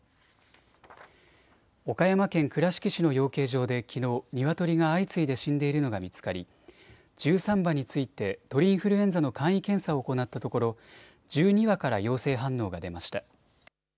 岡山県倉敷市の養鶏場できのう、ニワトリが相次いで死んでいるのが見つかり１３羽について鳥インフルエンザの簡易検査を行ったところ１２羽から陽性反応が出ました。